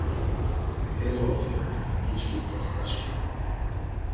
Eloğli ren, giçkit̆as, dadiçkimi